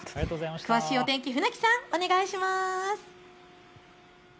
詳しいお天気、船木さんお願いします。